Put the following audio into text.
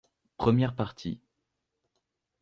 Première Partie